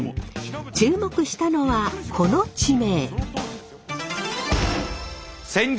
注目したのはこの地名。